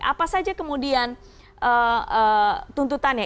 apa saja kemudian tuntutannya